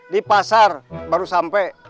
di pasar baru sampai